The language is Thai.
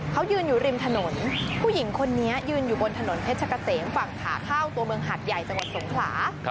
เขายืนอยู่ริมถนนผู้หญิงคนนี้ยืนอยู่บนถนนเพชรกะเสมฝั่งขาเข้าตัวเมืองหัดใหญ่จังหวัดสงขลา